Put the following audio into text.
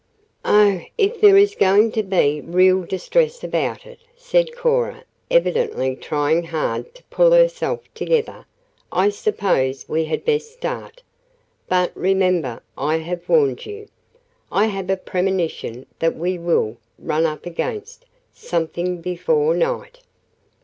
"Oh, if there is going to be real distress about it," said Cora, evidently trying hard to pull herself together, "I suppose we had best start. But remember, I have warned you. I have a premonition that we will 'run up against' something before night."